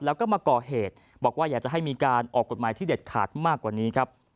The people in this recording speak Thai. แล้วก็มาก่อเหตุบอกว่าอยากจะให้มีการออกกฎหมายที่เด็ดขาดมากกว่านี้ครับ